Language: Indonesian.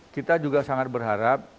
kita juga sangat berharap